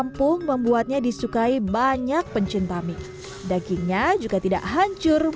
meskipun dia memang cukup besar untuk memakannya sebagai makanan pemeriksaan tapi dia menjelaskan bahan yang lebih paham untuk dimasak